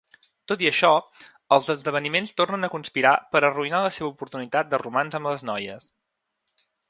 Tot i això, els esdeveniments tornen a conspirar per a arruïnar la seva oportunitat de romanç amb les noies.